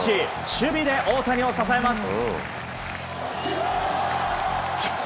守備で大谷を支えます。